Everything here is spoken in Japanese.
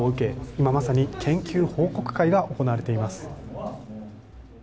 今まさに研究報告会が行われています。